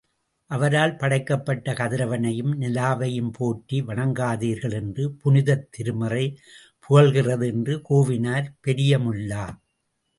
அவரால் படைக்கப்பட்ட கதிரவனையும் நிலாவையும் போற்றி வணங்காதீர்கள் என்று புனிதத் திருமறை புகல்கிறது என்று கூவினார் பெரியமுல்லா.